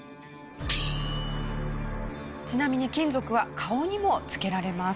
ちなみに金属は顔にもつけられます。